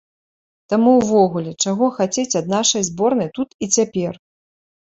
Таму ўвогуле, чаго хацець ад нашай зборнай тут і цяпер?